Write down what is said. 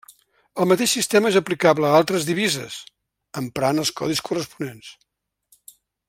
El mateix sistema és aplicable a altres divises, emprant els codis corresponents.